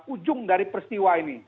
ujung dari peristiwa ini